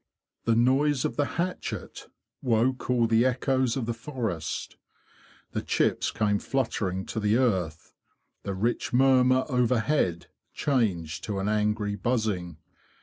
The noise of the hatchet woke all the echoes of the forest. The chips came fluttering to the earth. The rich murmur overhead changed to an angry buzzing.